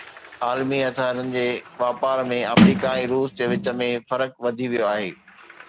عالمي هٿيارن جي واپار ۾ آمريڪا ۽ روس جي وچ ۾ فرق وڌي ويو آهي